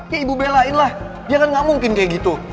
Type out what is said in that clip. ya ibu belain lah jangan gak mungkin kayak gitu